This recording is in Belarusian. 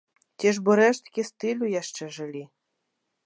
Ці ж бы рэшткі стылю яшчэ жылі?